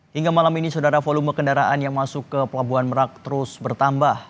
hingga malam ini saudara volume kendaraan yang masuk ke pelabuhan merak terus bertambah